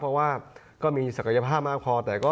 เพราะว่ามีศักยภาพมากพอ